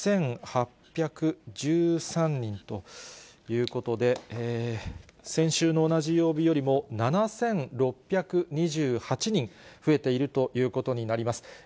１万２８１３人ということで、先週の同じ曜日よりも７６２８人増えているということになります。